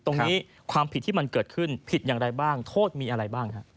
ความผิดที่มันเกิดขึ้นผิดอย่างไรบ้างโทษมีอะไรบ้างฮะ